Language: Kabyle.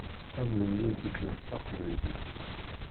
Ad lemden tutlayt taqbaylit.